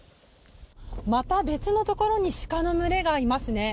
また別のところにシカの群れがいますね。